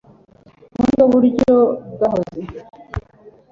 Ubu ni bwo buryo bwahoze